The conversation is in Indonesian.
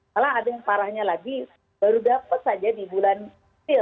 malah ada yang parahnya lagi baru dapat saja di bulan april dua ribu dua puluh satu